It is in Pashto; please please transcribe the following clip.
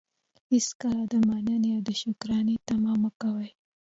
هېڅکله د منني او شکرانې طمعه مه کوئ!